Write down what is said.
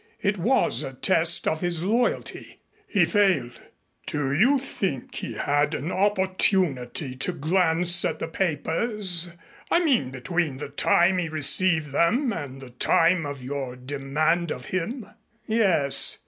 It was a test of his loyalty. He failed." "Do you think he had an opportunity to glance at the papers, I mean between the time he received them and the time of your demand of him?" "Yes.